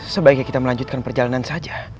sebaiknya kita melanjutkan perjalanan saja